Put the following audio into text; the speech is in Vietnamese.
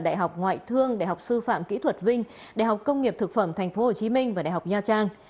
đại học ngoại thương đại học sư phạm kỹ thuật vinh đại học công nghiệp thực phẩm tp hcm và đại học nha trang